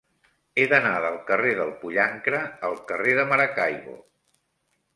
He d'anar del carrer del Pollancre al carrer de Maracaibo.